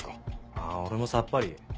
あぁ俺もさっぱり。